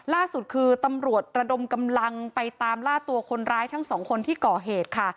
ล่าสุดคือตำรวจระดมกำลังไปตามล่าตัวคนร้ายทั้งสองคนที่ก่อเหตุค่ะ